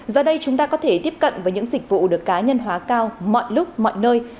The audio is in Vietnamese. giờ đây chúng ta có thể tiếp cận với những dịch vụ được cá nhân hóa cao mọi lúc mọi nơi